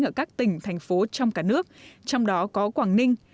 ở các tỉnh thành phố trong cả nước trong đó có quảng ninh